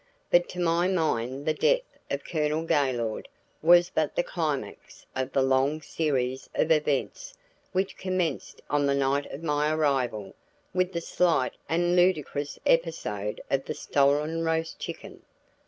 But to my mind the death of Colonel Gaylord was but the climax of the long series of events which commenced on the night of my arrival with the slight and ludicrous episode of the stolen roast chicken.